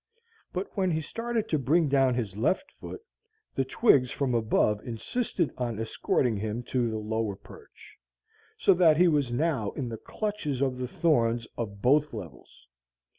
But when he started to bring down his left foot, the twigs from above insisted on escorting him to the lower perch; so that he was now in the clutches of the thorns of both levels.